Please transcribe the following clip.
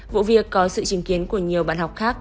vụ việc có sự chứng kiến của nhiều bạn học khác